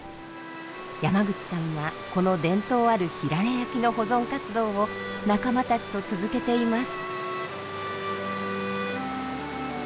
山口さんはこの伝統あるひらら焼きの保存活動を仲間たちと続けています。